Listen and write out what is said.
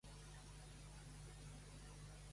Els pebrots no provoquen pas gasos.